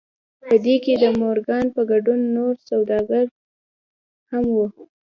په دې کې د مورګان په ګډون نور سوداګر هم وو